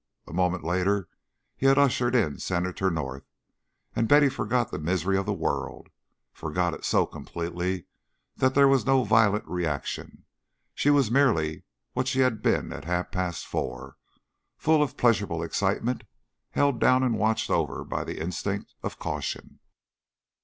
A moment later he had ushered in Senator North, and Betty forgot the misery of the world, forgot it so completely that there was no violent reaction; she was merely what she had been at half past four, full of pleasurable excitement held down and watched over by the instinct of caution.